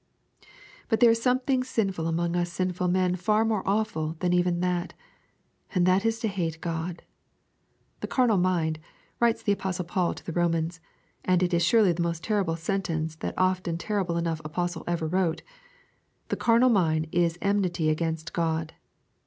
But there is something among us sinful men far more awful than even that, and that is to hate God. The carnal mind, writes the apostle Paul to the Romans and it is surely the most terrible sentence that often terrible enough apostle ever wrote the carnal mind is enmity against God.